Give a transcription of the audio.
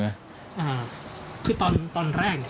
คือตอนแรกเนี่ย